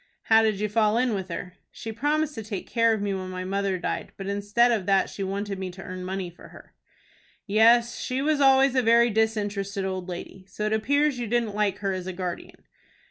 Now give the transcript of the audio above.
"How did you fall in with her?" "She promised to take care of me when my mother died, but instead of that she wanted me to earn money for her." "Yes, she was always a very disinterested old lady. So it appears you didn't like her as a guardian?"